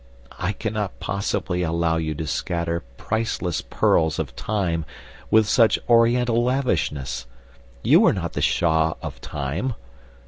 I cannot possibly allow you to scatter priceless pearls of time with such Oriental lavishness. You are not the Shah of time.